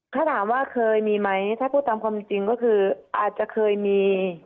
ถ้าถามว่าเคยมีไหมถ้าพูดตามความจริงก็คืออาจจะเคยมี